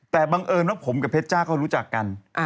แต่บังเอิญว่าผมกับเพชจ้าเขารู้จักกัน